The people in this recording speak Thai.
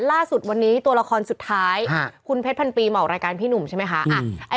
ล่าสุดวันนี้ตัวละครสุดท้ายคุณเพชรพันปีมาออกรายการพี่หนุ่มใช่ไหมคะ